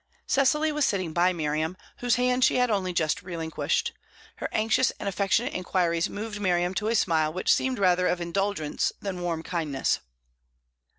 Cecily was sitting by Miriam, whose hand she had only just relinquished. Her anxious and affectionate inquiries moved Miriam to a smile which seemed rather of indulgence than warm kindness.